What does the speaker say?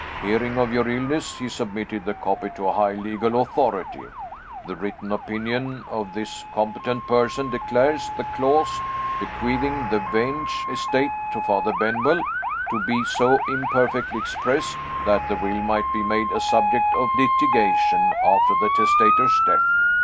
Hearing of your illness, he submitted the copy to a high legal authority. The written opinion of this competent person declares the clause, bequeathing the Vange estate to Father Benwell, to be so imperfectly expressed, that the will might be made a subject of litigation after the testator's death.